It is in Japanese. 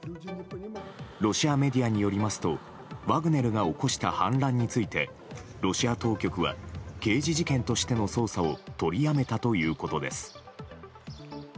ロシアメディアによりますとワグネルが起こした反乱についてロシア当局は刑事事件としての捜査を取りやめたということです。